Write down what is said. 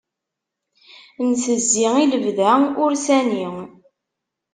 Ntezzi i lebda, ur sani.